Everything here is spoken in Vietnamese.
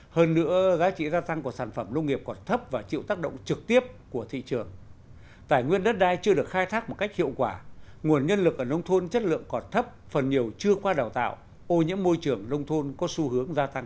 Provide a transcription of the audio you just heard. hơn nữa giá trị gia tăng của sản phẩm nông nghiệp còn thấp và chịu tác động trực tiếp của thị trường tài nguyên đất đai chưa được khai thác một cách hiệu quả nguồn nhân lực ở nông thôn chất lượng còn thấp phần nhiều chưa qua đào tạo ô nhiễm môi trường nông thôn có xu hướng gia tăng